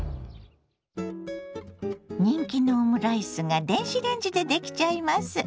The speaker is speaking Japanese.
人気のオムライスが電子レンジでできちゃいます。